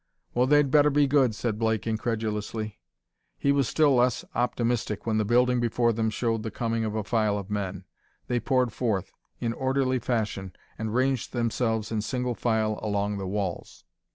"Well, they'd better be good!" said Blake incredulously. He was still less optimistic when the building before them showed the coming of a file of men. They poured forth, in orderly fashion and ranged themselves in single file along the walls.